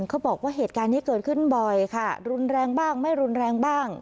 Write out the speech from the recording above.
เขาบอกว่าเหตุการณ์นี้เกิดขึ้นบ่อยค่ะรุนแรงบ้างไม่รุนแรงบ้าง